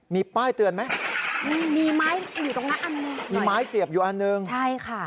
มีป้ายเตือนไหมมีมีไม้อยู่ตรงนั้นอันหนึ่งมีไม้เสียบอยู่อันหนึ่งใช่ค่ะ